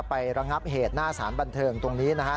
ระงับเหตุหน้าสารบันเทิงตรงนี้นะฮะ